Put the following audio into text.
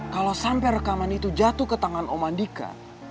kalo sampe rekaman itu jatuh ke tangan om andika